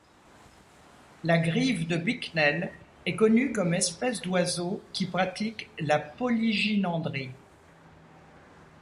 La grive de Bicknell est connue comme espèce d'oiseau qui pratique la polygynandrie.